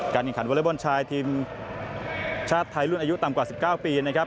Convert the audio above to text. การยินขันวอร์เลอร์อลเยาวชนชายทีมชาติไทยรุ่นอายุต่ำกว่าสิบเก้าปีนะครับ